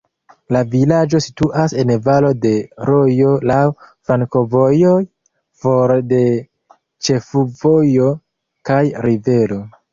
La vilaĝo situas en valo de rojo, laŭ flankovojoj, for de ĉefvojo kaj rivero.